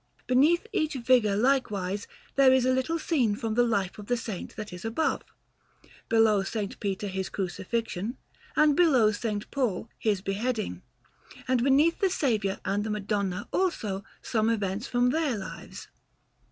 Beneath each figure, likewise, there is a little scene from the life of the Saint that is above; below S. Peter, his crucifixion, and below S. Paul, his beheading; and beneath the Saviour and the Madonna, also, some events from their lives.